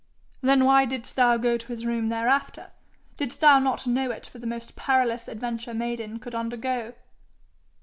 'Then why didst thou go to his room thereafter? Didst thou not know it for the most perilous adventure maiden could undergo?'